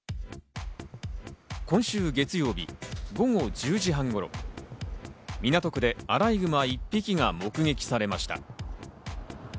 今週月曜日、午後１０時半頃、港区でアライグマ１匹が目撃されました。